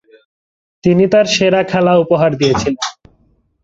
তিনি তার সেরা খেলা উপহার দিয়েছিলেন।